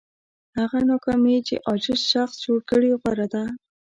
هغه ناکامي چې عاجز شخص جوړ کړي غوره ده.